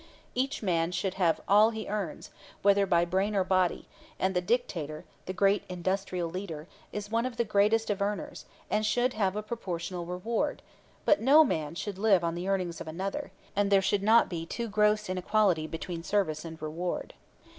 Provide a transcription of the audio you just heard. Each man should have all he earns, whether by brain or body; and the director, the great industrial leader, is one of the greatest of earners, and should have a proportional reward; but no man should live on the earnings of another, and there should not be too gross inequality between service and reward.